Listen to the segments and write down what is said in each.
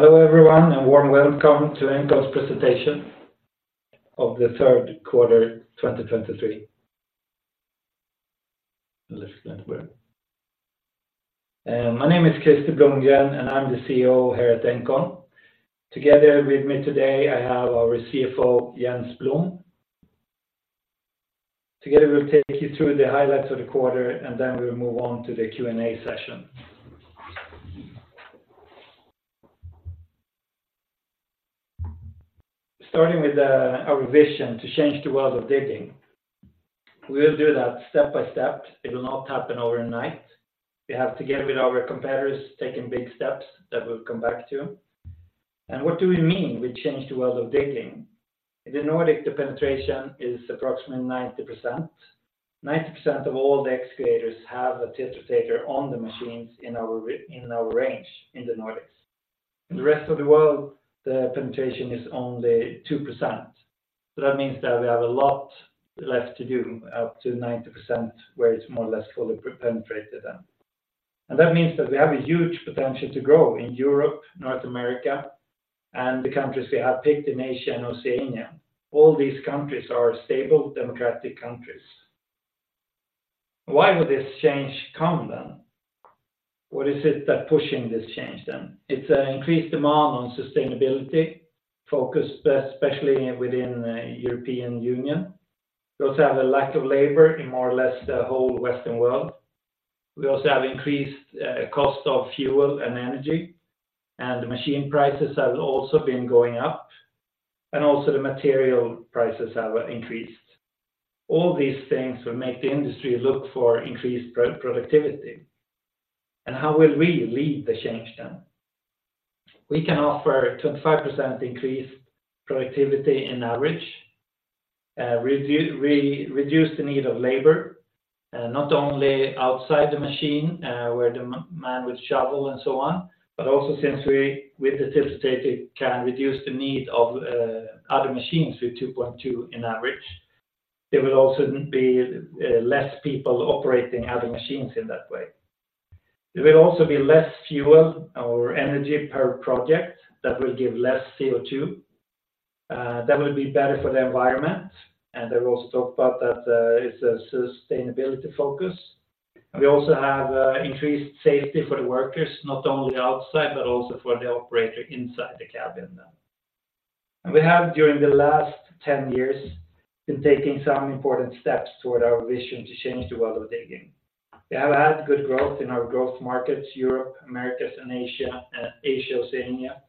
Hello, everyone, and warm welcome to Engcon's presentation of the third quarter, 2023. Let's go anywhere. My name is Krister Blomgren, and I'm the CEO here at Engcon. Together with me today, I have our CFO, Jens Blom. Together, we'll take you through the highlights of the quarter, and then we'll move on to the Q&A session. Starting with our vision to change the world of digging, we will do that step by step. It will not happen overnight. We have, together with our competitors, taken big steps that we'll come back to. What do we mean we change the world of digging? In the Nordics, the penetration is approximately 90%. 90% of all the excavators have a tiltrotator on the machines in our range in the Nordics. In the rest of the world, the penetration is only 2%. So that means that we have a lot left to do, up to 90%, where it's more or less fully penetrated then. And that means that we have a huge potential to grow in Europe, North America, and the countries we have picked in Asia-Oceania. All these countries are stable democratic countries. Why would this change come then? What is it that pushing this change then? It's an increased demand on sustainability focus, especially within the European Union. We also have a lack of labor in more or less the whole Western world. We also have increased cost of fuel and energy, and the machine prices have also been going up, and also the material prices have increased. All these things will make the industry look for increased productivity. And how will we lead the change then? We can offer 25% increased productivity in average, we reduce the need of labor, not only outside the machine, where the man with shovel and so on, but also since we, with the tiltrotator, can reduce the need of other machines with 2.2 in average, there will also be less people operating other machines in that way. There will also be less fuel or energy per project that will give less CO2, that will be better for the environment, and I will also talk about that, it's a sustainability focus. We also have increased safety for the workers, not only outside, but also for the operator inside the cabin then. We have, during the last 10 years, been taking some important steps toward our vision to change the world of digging. We have had good growth in our growth markets, Europe, Americas, and Asia, and Asia-Oceania.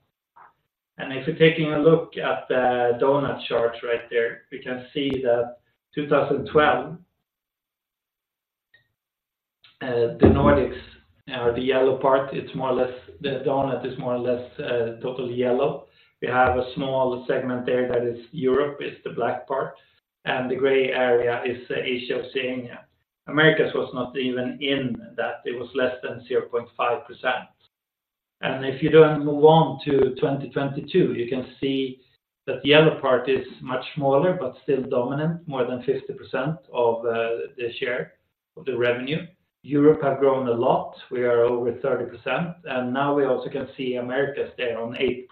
If you're taking a look at the donut chart right there, we can see that 2012, the Nordics, or the yellow part, it's more or less, the donut is more or less totally yellow. We have a small segment there that is Europe, it's the black part, and the gray area is the Asia-Oceania. Americas was not even in that, it was less than 0.5%. If you then move on to 2022, you can see that the yellow part is much smaller, but still dominant, more than 50% of the share of the revenue. Europe have grown a lot. We are over 30%, and now we also can see Americas there on 8%,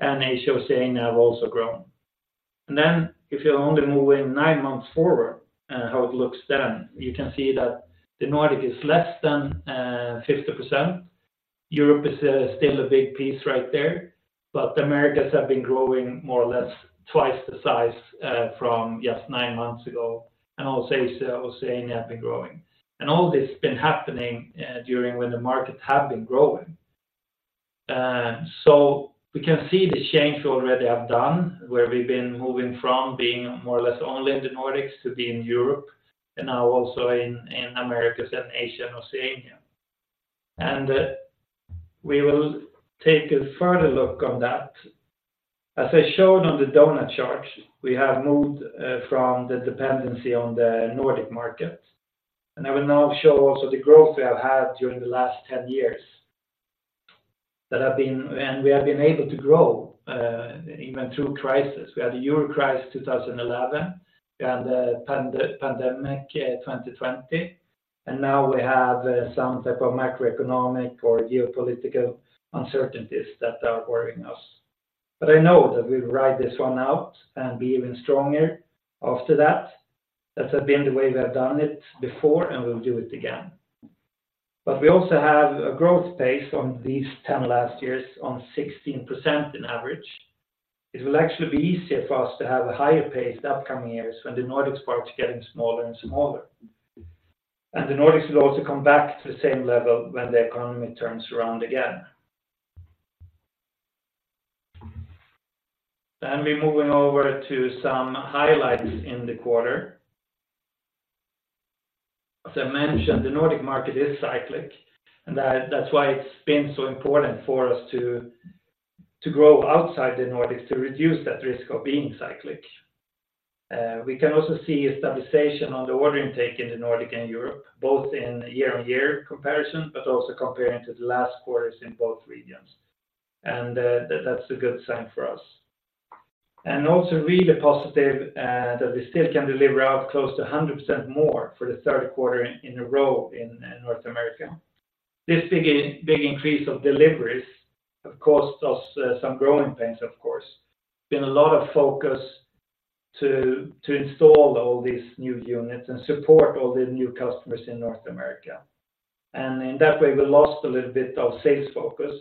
and Asia-Oceania have also grown. And then if you're only moving 9 months forward, and how it looks then, you can see that the Nordics is less than 50%. Europe is still a big piece right there, but the Americas have been growing more or less twice the size from just 9 months ago, and also Asia-Oceania have been growing. And all this been happening during when the markets have been growing. So we can see the change we already have done, where we've been moving from being more or less only in the Nordics to be in Europe, and now also in, in Americas and Asia-Oceania. And we will take a further look on that. As I showed on the donut chart, we have moved from the dependency on the Nordic market, and I will now show also the growth we have had during the last 10 years. That have been and we have been able to grow even through crisis. We had the Euro crisis 2011, we had the pandemic, 2020, and now we have some type of macroeconomic or geopolitical uncertainties that are worrying us. But I know that we'll ride this one out and be even stronger after that. That has been the way we have done it before, and we'll do it again. But we also have a growth pace on these last 10 years on 16% in average. It will actually be easier for us to have a higher pace the upcoming years when the Nordics part is getting smaller and smaller. The Nordics will also come back to the same level when the economy turns around again. Then we're moving over to some highlights in the quarter. As I mentioned, the Nordic market is cyclic, and that's why it's been so important for us to grow outside the Nordics, to reduce that risk of being cyclic. We can also see a stabilization on the order intake in the Nordic and Europe, both in year-on-year comparison, but also comparing to the last quarters in both regions. And, that's a good sign for us. And also really positive, that we still can deliver out close to 100% more for the third quarter in a row in North America. This big increase of deliveries, of course, gives us some growing pains, of course. There's been a lot of focus to install all these new units and support all the new customers in North America. And in that way, we lost a little bit of sales focus,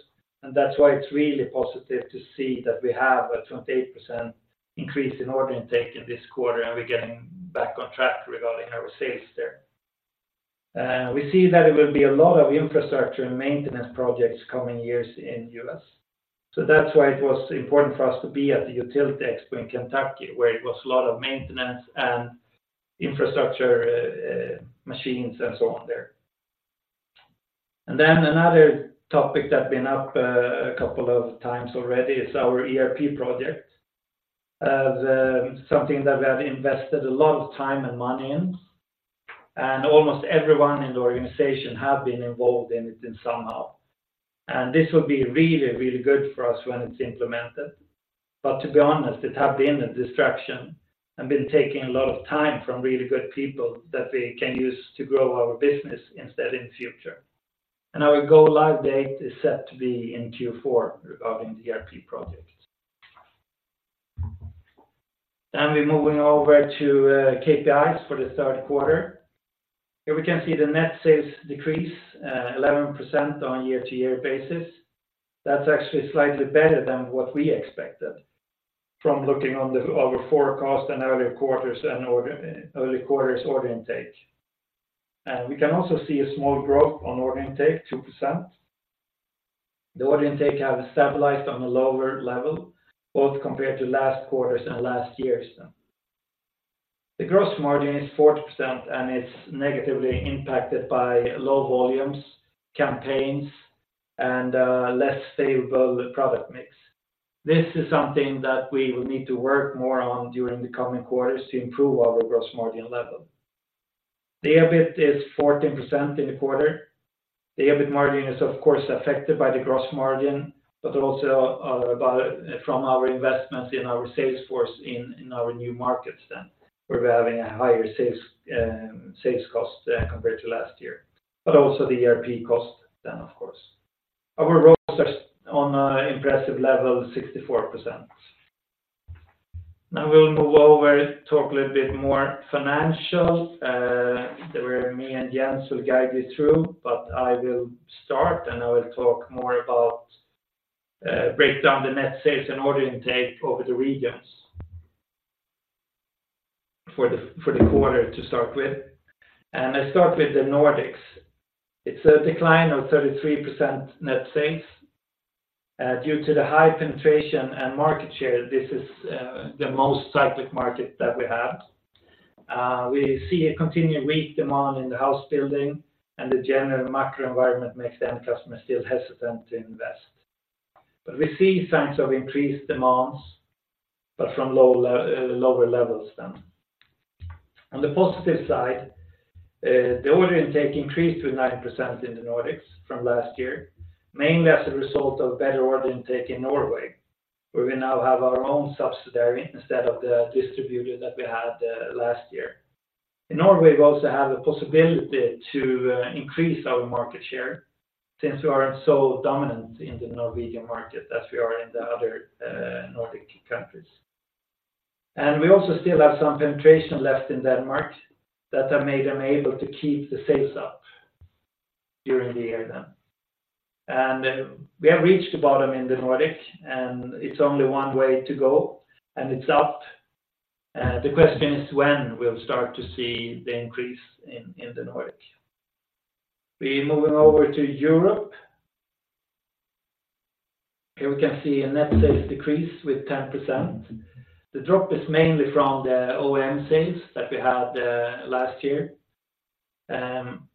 and that's why it's really positive to see that we have a 28% increase in order intake in this quarter, and we're getting back on track regarding our sales there. We see that there will be a lot of infrastructure and maintenance projects in the coming years in the U.S. So that's why it was important for us to be at the Utility Expo in Kentucky, where there was a lot of maintenance and infrastructure machines, and so on there. And then another topic that's been up, a couple of times already is our ERP project, as, something that we have invested a lot of time and money in, and almost everyone in the organization have been involved in it somehow. And this will be really, really good for us when it's implemented. But to be honest, it has been a distraction and been taking a lot of time from really good people that we can use to grow our business instead in future. And our go live date is set to be in Q4, regarding the ERP project. Then we're moving over to, KPIs for the third quarter. Here we can see the net sales decrease, 11% on year-to-year basis. That's actually slightly better than what we expected from looking on the, our forecast and earlier quarters and early quarters order intake. We can also see a small growth on order intake, 2%. The order intake have stabilized on a lower level, both compared to last quarters and last year's. The gross margin is 40%, and it's negatively impacted by low volumes, campaigns, and less favorable product mix. This is something that we will need to work more on during the coming quarters to improve our gross margin level. The EBIT is 14% in the quarter. The EBIT margin is, of course, affected by the gross margin, but also by from our investments in our sales force in our new markets then, where we're having a higher sales sales cost compared to last year, but also the ERP cost then, of course. Our ROCE on an impressive level, 64%. Now, we'll move over, talk a little bit more financial, where me and Jens will guide you through, but I will start, and I will talk more about, break down the net sales and order intake over the regions for the, for the quarter to start with. I start with the Nordics. It's a decline of 33% net sales, due to the high penetration and market share, this is the most cyclic market that we have. We see a continued weak demand in the house building, and the general macro environment makes the end customer still hesitant to invest. But we see signs of increased demands, but from lower levels then. On the positive side, the order intake increased to 9% in the Nordics from last year, mainly as a result of better order intake in Norway, where we now have our own subsidiary, instead of the distributor that we had last year. In Norway, we also have a possibility to increase our market share, since we aren't so dominant in the Norwegian market as we are in the other Nordic countries. And we also still have some penetration left in Denmark that have made them able to keep the sales up during the year then. And we have reached the bottom in the Nordics, and it's only one way to go, and it's up. The question is when we'll start to see the increase in the Nordics. We're moving over to Europe. Here we can see a net sales decrease with 10%. The drop is mainly from the OEM sales that we had last year.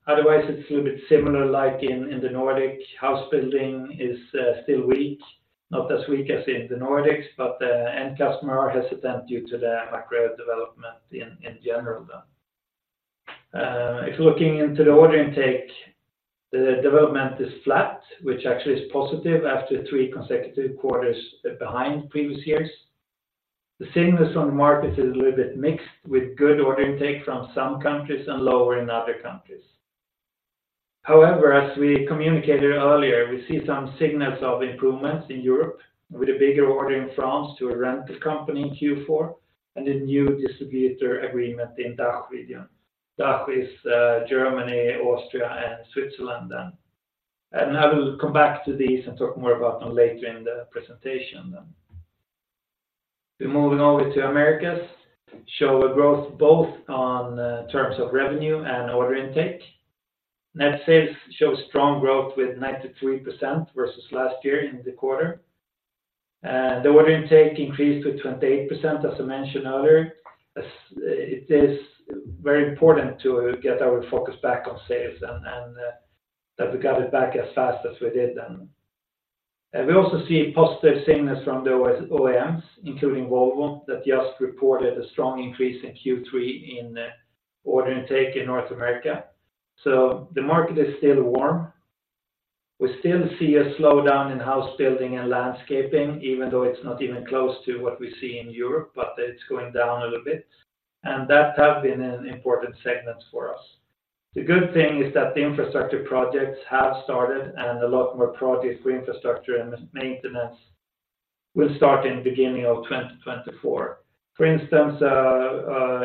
Otherwise, it's a little bit similar, like in the Nordics. House building is still weak, not as weak as in the Nordics, but the end customer are hesitant due to the macro development in general, though. If looking into the order intake, the development is flat, which actually is positive after three consecutive quarters behind previous years. The signals from the market is a little bit mixed, with good order intake from some countries and lower in other countries. However, as we communicated earlier, we see some signals of improvements in Europe, with a bigger order in France to a rental company in Q4, and a new distributor agreement in DACH region. DACH is Germany, Austria, and Switzerland. I will come back to these and talk more about them later in the presentation then. We're moving over to Americas. Show a growth both on terms of revenue and order intake. Net sales show strong growth with 93% versus last year in the quarter. The order intake increased to 28%, as I mentioned earlier. It is very important to get our focus back on sales and that we got it back as fast as we did then. And we also see positive signals from the OEMs, including Volvo, that just reported a strong increase in Q3 in order intake in North America. So the market is still warm. We still see a slowdown in house building and landscaping, even though it's not even close to what we see in Europe, but it's going down a little bit, and that have been an important segment for us. The good thing is that the infrastructure projects have started, and a lot more projects for infrastructure and maintenance will start in beginning of 2024. For instance,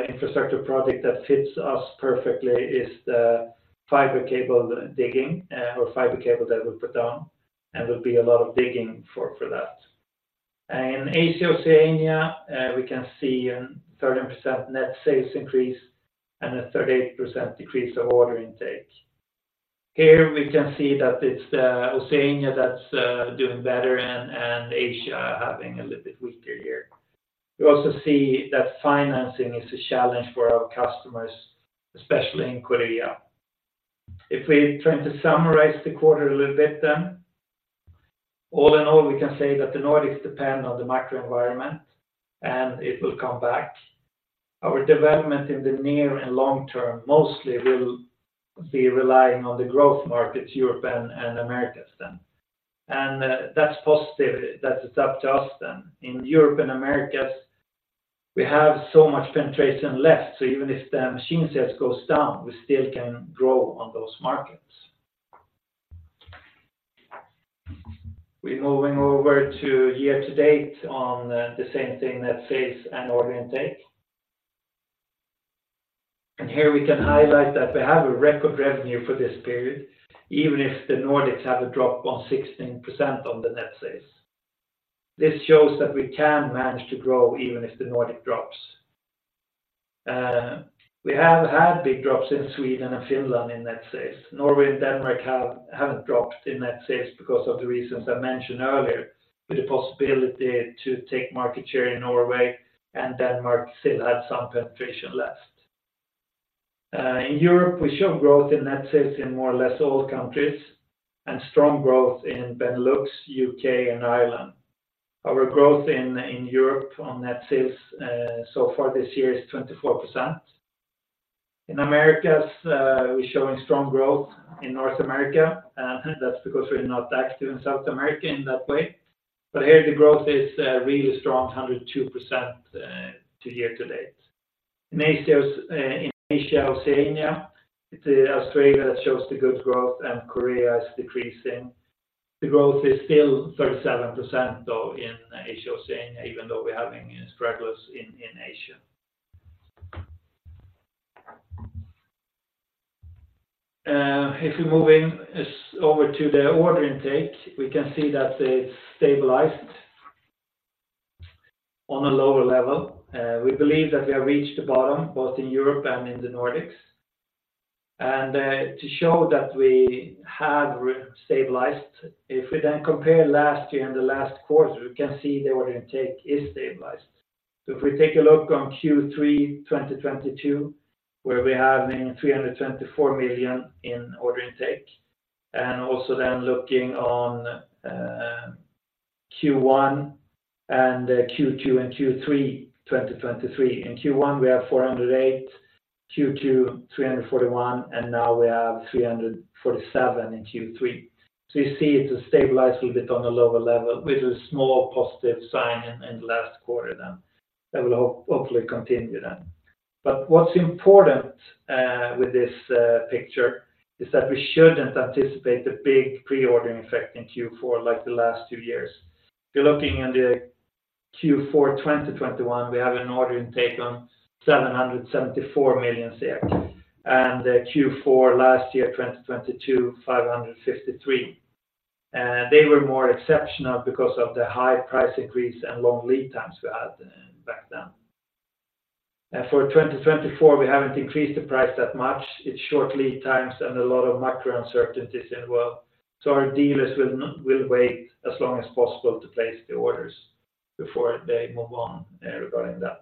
infrastructure project that fits us perfectly is the fiber cable digging, or fiber cable that we put down, and there'll be a lot of digging for that. Asia-Oceania, we can see a 13% net sales increase and a 38% decrease of order intake. Here we can see that it's the Oceania that's doing better and Asia having a little bit weaker year. We also see that financing is a challenge for our customers, especially in Korea. If we try to summarize the quarter a little bit, then all in all, we can say that the Nordics depend on the macro environment, and it will come back. Our development in the near and long term, mostly will be relying on the growth markets, Europe and, and Americas then, and that's positive, that it's up to us then. In Europe and Americas, we have so much penetration left, so even if the machine sales goes down, we still can grow on those markets. We're moving over to year-to-date on, the same thing, net sales and order intake. Here we can highlight that we have a record revenue for this period, even if the Nordics have a drop on 16% on the net sales. This shows that we can manage to grow even if the Nordics drops. We have had big drops in Sweden and Finland in net sales. Norway and Denmark have, haven't dropped in net sales because of the reasons I mentioned earlier, with the possibility to take market share in Norway, and Denmark still had some penetration left. In Europe, we show growth in net sales in more or less all countries, and strong growth in Benelux, U.K., and Ireland. Our growth in Europe on net sales so far this year is 24%. In Americas, we're showing strong growth in North America, that's because we're not active in South America in that way. But here, the growth is really strong, 102%, year-to-date. In Asia, in Asia-Oceania, Australia shows the good growth and Korea is decreasing. The growth is still 37%, though, in Asia-Oceania, even though we're having struggles in Asia. If we're moving us over to the order intake, we can see that it's stabilized on a lower level. We believe that we have reached the bottom, both in Europe and in the Nordics. To show that we have restabilized, if we then compare last year and the last quarter, we can see the order intake is stabilized. So if we take a look on Q3 2022, where we're having 324 million in order intake, and also then looking on Q1 and Q2, and Q3, 2023. In Q1, we have 408 million, Q2, 341 million, and now we have 347 million in Q3. So you see it's stabilized a little bit on a lower level with a small positive sign in the last quarter, then. That will hopefully continue then. But what's important with this picture is that we shouldn't anticipate a big pre-ordering effect in Q4, like the last two years. If you're looking in the Q4 2021, we have an order intake on 774 million, and the Q4 last year, 2022, 553 million. And they were more exceptional because of the high price increase and long lead times we had back then. For 2024, we haven't increased the price that much. It's short lead times and a lot of macro uncertainties in the world, so our dealers will wait as long as possible to place the orders before they move on regarding that.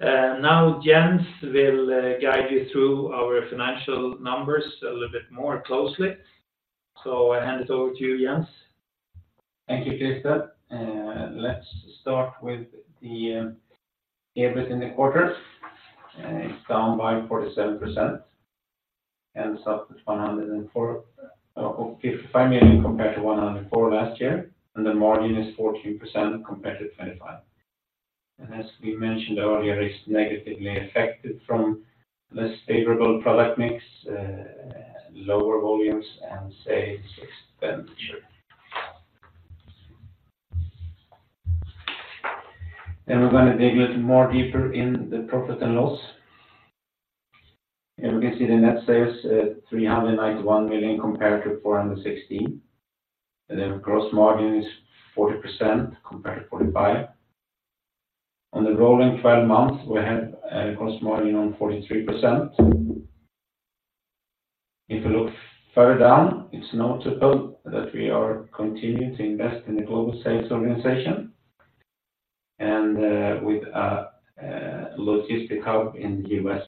Now Jens will guide you through our financial numbers a little bit more closely. I hand it over to you, Jens. Thank you, Krister. Let's start with the EBIT in the quarter. It's down by 47%, ends up with 104 million or 55 million compared to 104 million last year, and the margin is 14% compared to 25%. And as we mentioned earlier, it's negatively affected from less favorable product mix, lower volumes, and sales expenditure. Then we're gonna dig a little more deeper in the profit and loss. And we can see the net sales, 391 million compared to 416 million, and then gross margin is 40% compared to 45%. On the rolling twelve months, we have a gross margin on 43%. If you look further down, it's notable that we are continuing to invest in the global sales organization and, with a, logistics hub in the US.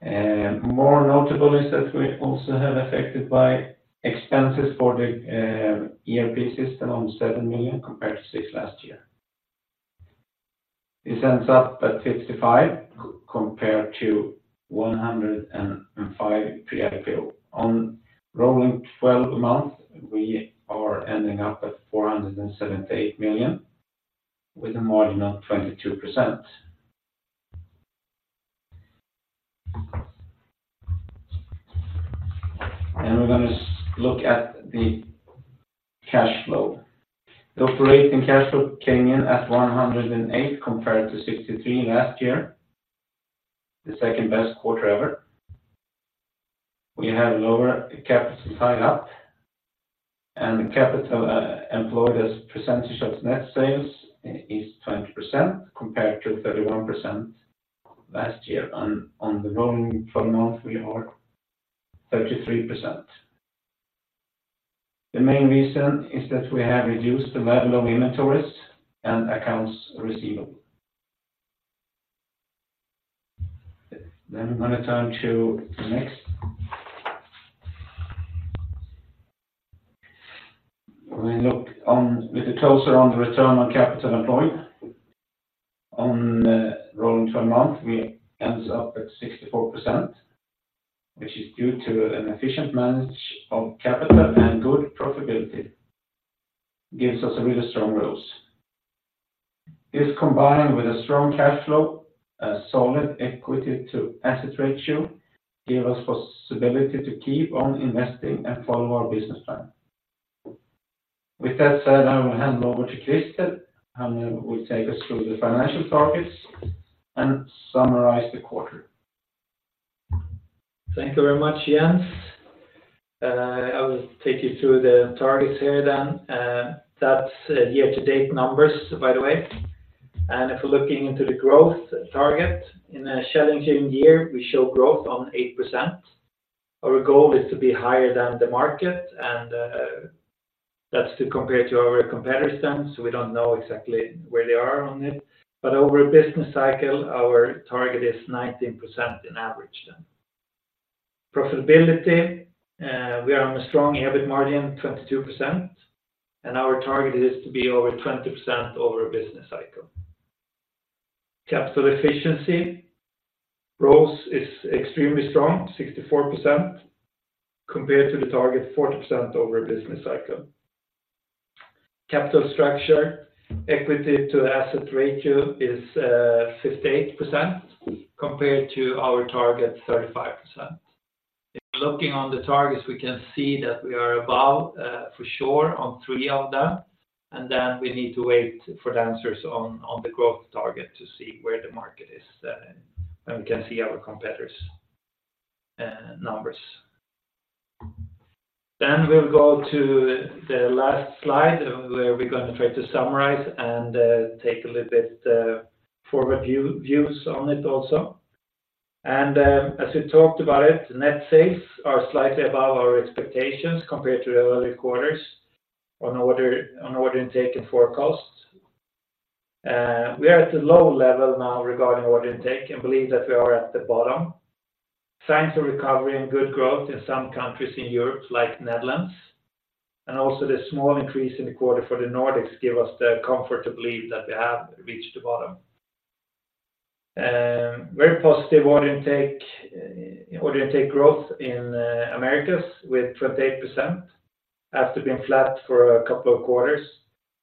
And more notable is that we also have affected by expenses for the ERP system on 7 million, compared to 6 million last year. It ends up at 55 million compared to 105 million pre-IPO. On rolling 12 months, we are ending up at 478 million with a margin of 22%. And we're going to look at the cash flow. The operating cash flow came in at 108 million compared to 63 million last year, the second best quarter ever. We have lower capital tied up, and capital employed as a percentage of net sales is 20% compared to 31% last year. On the rolling 12-month, we are 33%. The main reason is that we have reduced the level of inventories and accounts receivable. Then I'm going to turn to the next. We look on with a closer on the return on capital employed. On rolling 12-month, we ends up at 64%, which is due to an efficient management of capital and good profitability, gives us a really strong ROCE. This combined with a strong cash flow, a solid equity to asset ratio, give us possibility to keep on investing and follow our business plan. With that said, I will hand over to Krister, and he will take us through the financial targets and summarize the quarter. Thank you very much, Jens. I will take you through the targets here then. That's year-to-date numbers, by the way. And if we're looking into the growth target in a challenging year, we show growth on 8%. Our goal is to be higher than the market, and that's to compare to our competitors, so we don't know exactly where they are on it. But over a business cycle, our target is 19% in average then. Profitability, we are on a strong EBIT margin, 22%, and our target is to be over 20% over a business cycle. Capital efficiency, growth is extremely strong, 64%, compared to the target, 40% over a business cycle. Capital structure, equity to asset ratio is 58% compared to our target, 35%. If looking on the targets, we can see that we are above, for sure on three of them, and then we need to wait for the answers on the growth target to see where the market is, and we can see our competitors' numbers. Then we'll go to the last slide, where we're going to try to summarize and take a little bit forward views on it also. And, as we talked about it, net sales are slightly above our expectations compared to the other quarters on order intake and forecast. We are at a low level now regarding order intake and believe that we are at the bottom. Thanks to recovery and good growth in some countries in Europe, like Netherlands, and also the small increase in the quarter for the Nordics give us the comfort to believe that we have reached the bottom. Very positive order intake, order intake growth in Americas with 28%, after being flat for a couple of quarters.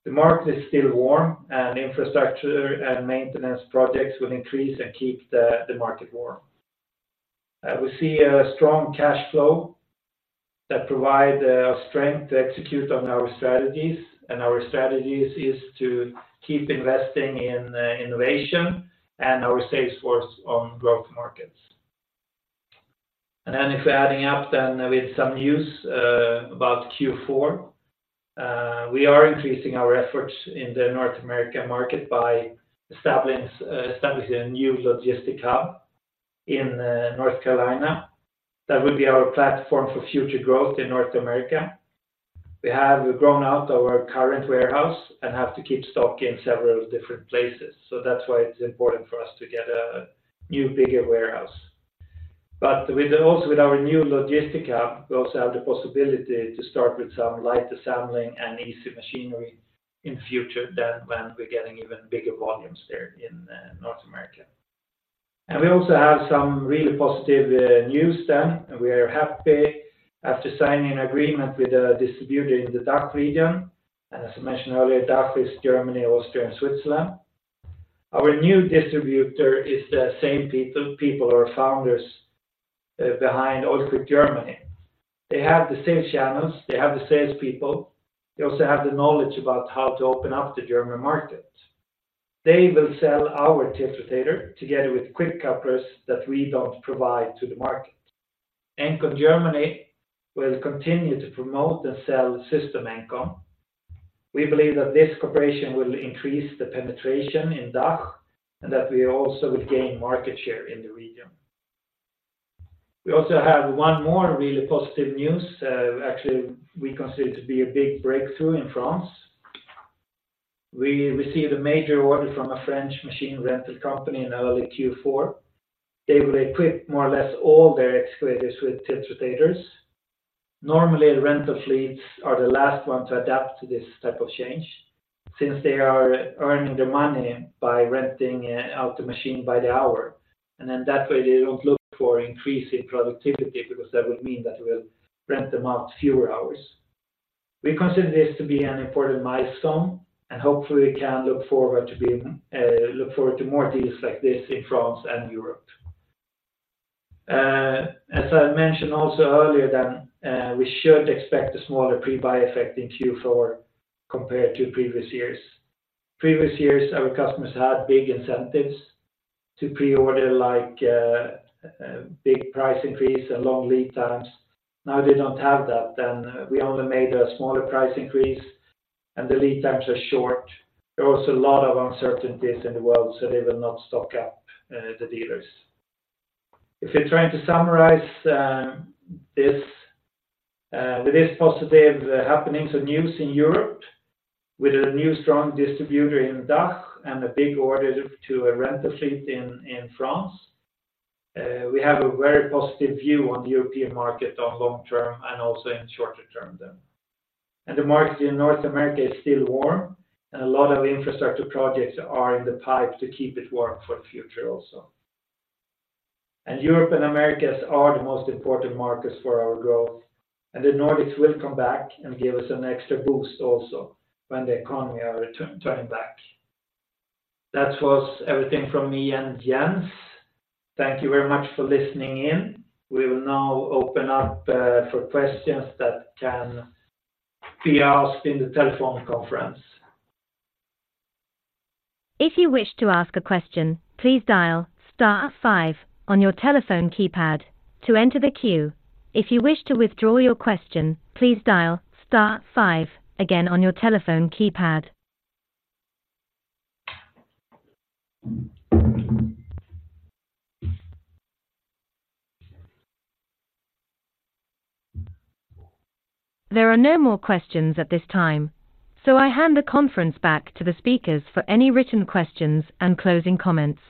The market is still warm and infrastructure and maintenance projects will increase and keep the market warm. We see a strong cash flow that provide strength to execute on our strategies, and our strategies is to keep investing in innovation and our sales force on growth markets. And then if we're adding up then with some news about Q4, we are increasing our efforts in the North American market by establishing a new logistics hub in North Carolina. That will be our platform for future growth in North America. We have grown out our current warehouse and have to keep stock in several different places, so that's why it's important for us to get a new, bigger warehouse. But with also with our new logistics hub, we also have the possibility to start with some light assembling and easy machinery in the future than when we're getting even bigger volumes there in, North America. And we also have some really positive, news then, and we are happy after signing an agreement with a distributor in the DACH region. And as I mentioned earlier, DACH is Germany, Austria, and Switzerland. Our new distributor is the same people, people who are founders, behind OilQuick Germany. They have the same channels, they have the sales people, they also have the knowledge about how to open up the German market. They will sell our tiltrotator together with quick couplers that we don't provide to the market. Engcon Germany will continue to promote and sell System Engcon. We believe that this cooperation will increase the penetration in DACH, and that we also would gain market share in the region. We also have one more really positive news, actually, we consider to be a big breakthrough in France. We received a major order from a French machine rental company in early Q4. They will equip more or less all their excavators with tiltrotators. Normally, the rental fleets are the last one to adapt to this type of change, since they are earning their money by renting out the machine by the hour, and then that way, they don't look for increase in productivity, because that would mean that we'll rent them out fewer hours. We consider this to be an important milestone, and hopefully we can look forward to being, look forward to more deals like this in France and Europe. As I mentioned also earlier, that, we should expect a smaller pre-buy effect in Q4 compared to previous years. Previous years, our customers had big incentives to pre-order, like, big price increase and long lead times. Now, they don't have that, and we only made a smaller price increase, and the lead times are short. There are also a lot of uncertainties in the world, so they will not stock up, the dealers. If you're trying to summarize this with this positive happenings of news in Europe, with a new strong distributor in DACH and a big order to a rental fleet in France, we have a very positive view on the European market on long term and also in shorter term then. And the market in North America is still warm, and a lot of infrastructure projects are in the pipe to keep it warm for the future also. And Europe and Americas are the most important markets for our growth, and the Nordics will come back and give us an extra boost also when the economy are returning back. That was everything from me and Jens. Thank you very much for listening in. We will now open up for questions that can be asked in the telephone conference. If you wish to ask a question, please dial star five on your telephone keypad to enter the queue. If you wish to withdraw your question, please dial star five again on your telephone keypad. There are no more questions at this time, so I hand the conference back to the speakers for any written questions and closing comments.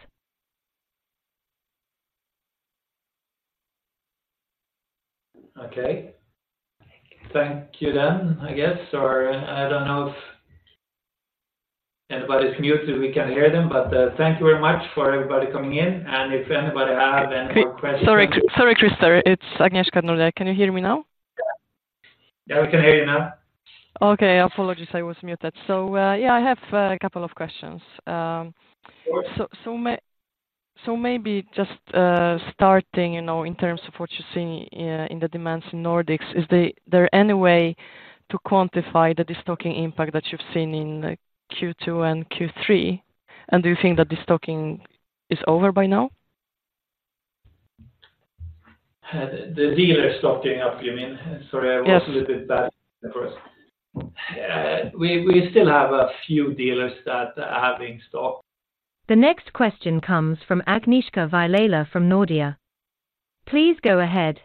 Okay. Thank you then, I guess, or I don't know if anybody's muted, we can hear them, but thank you very much for everybody coming in, and if anybody have any more questions? Sorry, sorry, Krister, it's Agnieszka Vilela. Can you hear me now? Yeah. Yeah, we can hear you now. Okay, apologies, I was muted. So, yeah, I have a couple of questions. Sure. So maybe just starting, you know, in terms of what you're seeing in the demands in Nordics, is there any way to quantify the destocking impact that you've seen in Q2 and Q3? And do you think that destocking is over by now? The dealer stocking up, you mean? Sorry, I was a little bit bad at first. Yes. We still have a few dealers that are having stock. The next question comes from Agnieszka Vilela from Nordea. Please go ahead.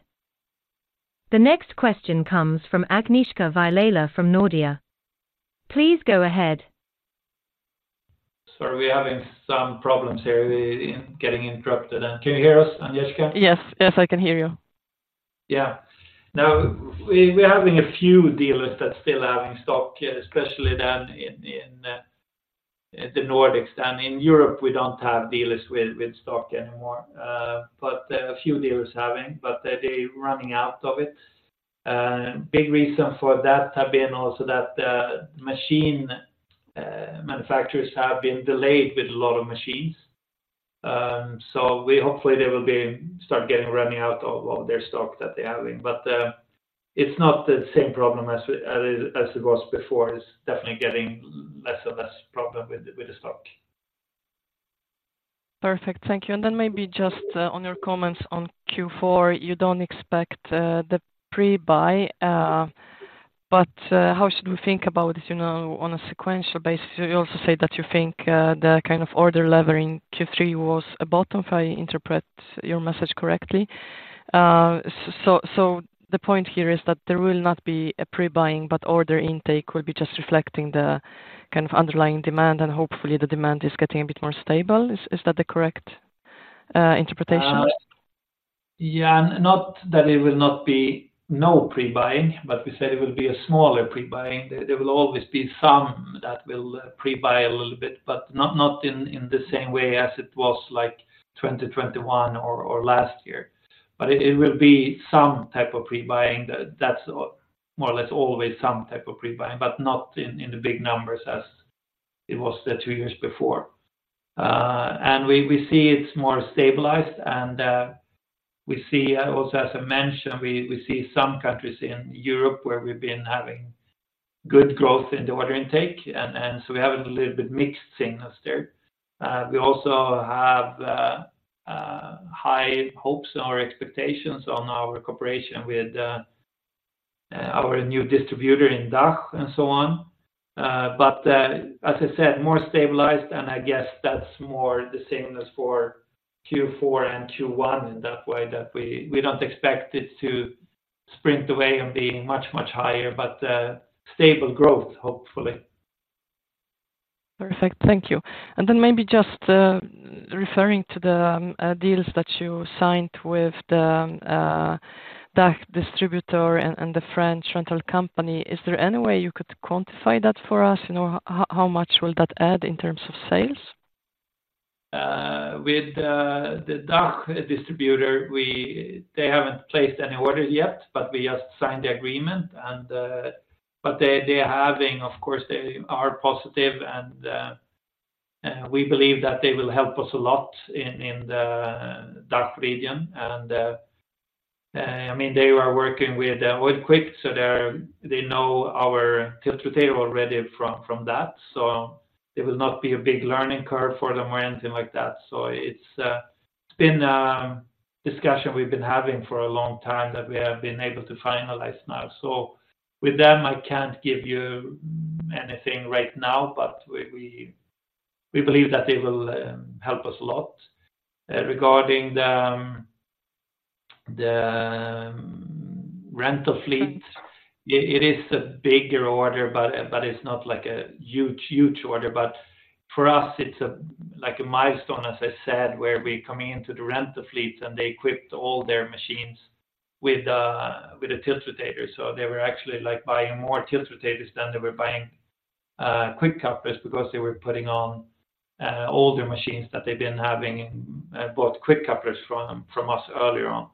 Sorry, we're having some problems here in getting interrupted. Can you hear us, Agnieszka? Yes. Yes, I can hear you. Yeah. Now, we're having a few dealers that still having stock, especially in the Nordics, and in Europe, we don't have dealers with stock anymore, but a few dealers having, but they're running out of it. Big reason for that have been also that the machine manufacturers have been delayed with a lot of machines. So we hopefully they will be start getting running out of their stock that they're having, but it's not the same problem as we as it was before. It's definitely getting less and less problem with the stock. Perfect. Thank you. Then maybe just on your comments on Q4, you don't expect the pre-buy, but how should we think about it, you know, on a sequential basis? You also say that you think the order level in Q3 was a bottom, if I interpret your message correctly. So the point here is that there will not be a pre-buying, but order intake will be just reflecting the kind of underlying demand, and hopefully the demand is getting a bit more stable. Is that the correct interpretation? Yeah, not that it will not be no pre-buying, but we said it will be a smaller pre-buying. There will always be some that will pre-buy a little bit, but not in the same way as it was like 2021 or last year. But it will be some type of pre-buying, that's more or less always some type of pre-buying, but not in the big numbers as it was the two years before. And we see it's more stabilized, and we see also, as I mentioned, we see some countries in Europe where we've been having good growth in the order intake, and so we have a little bit mixed signals there. We also have high hopes and our expectations on our cooperation with our new distributor in DACH and so on. But, as I said, more stabilized, and I guess that's more the sameness for Q4 and Q1 in that way, that we, we don't expect it to sprint away and being much, much higher, but, stable growth, hopefully. Perfect. Thank you. And then maybe just referring to the deals that you signed with the DACH distributor and the French rental company, is there any way you could quantify that for us? You know, how much will that add in terms of sales? With the DACH distributor, we, they haven't placed any orders yet, but we just signed the agreement, and but they, they are having, of course, they are positive, and we believe that they will help us a lot in the DACH region. And I mean, they are working with OilQuick, so they're, they know our tiltrotator already from that. So it will not be a big learning curve for them or anything like that. So it's been discussion we've been having for a long time, that we have been able to finalize now. So with them, I can't give you anything right now, but we believe that they will help us a lot. Regarding the rental fleet, it is a bigger order, but it's not like a huge, huge order. But for us, it's like a milestone, as I said, where we're coming into the rental fleet, and they equipped all their machines with a tiltrotator. So they were actually, like, buying more tiltrotators than they were buying quick couplers because they were putting on older machines that they've been having and bought quick couplers from us earlier on.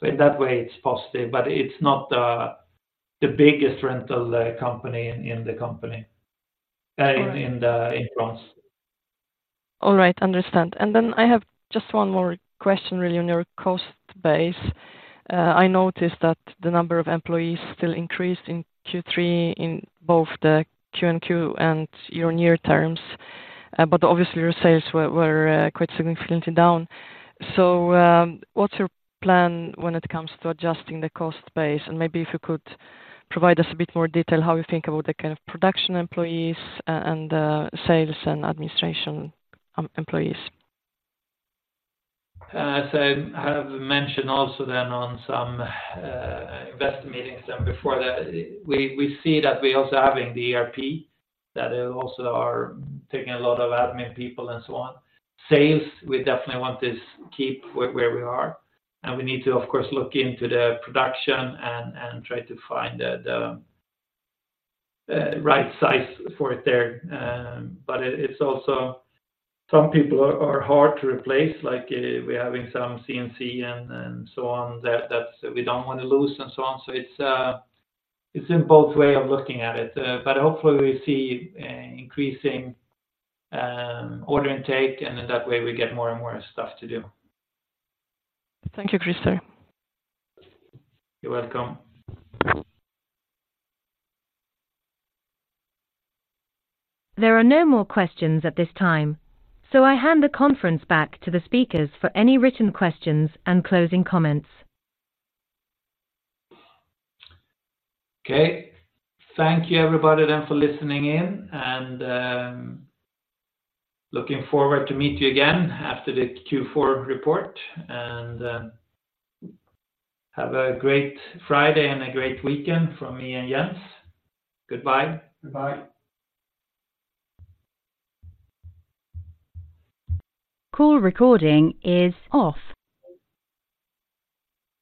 So in that way, it's positive, but it's not the biggest rental company in the company. All right. In France. All right. Understand. And then I have just one more question, really, on your cost base. I noticed that the number of employees still increased in Q3 in both the Q2 and year-on-year terms, but obviously your sales were quite significantly down. So, what's your plan when it comes to adjusting the cost base? And maybe if you could provide us a bit more detail, how you think about the kind of production employees, and sales and administration employees. As I have mentioned also then on some investor meetings and before that, we see that we also having the ERP, that also are taking a lot of admin people and so on. Sales, we definitely want to keep where we are, and we need to, of course, look into the production and try to find the right size for it there. But it's also some people are hard to replace, like, we're having some CNC and so on, that's we don't want to lose and so on. So it's in both ways of looking at it, but hopefully we see increasing order intake, and then that way we get more and more stuff to do. Thank you, Krister. You're welcome. There are no more questions at this time, so I hand the conference back to the speakers for any written questions and closing comments. Okay. Thank you, everybody, then, for listening in, and, looking forward to meet you again after the Q4 report. Have a great Friday and a great weekend from me and Jens. Goodbye. Goodbye. Call recording is off.